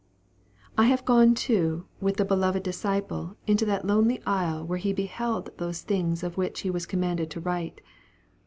I have gone, too, with the beloved disciple into that lonely isle where he beheld those things of which he was commanded to write.